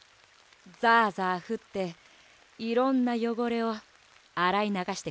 ザザふっていろんなよごれをあらいながしてくれるだろ。